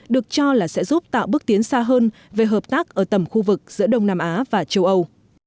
được cho là sẽ giúp tạo bước tiến xa hơn về hợp tác ở tầm khu vực giữa đông nam á và châu âu